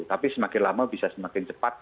tapi semakin lama bisa semakin cepat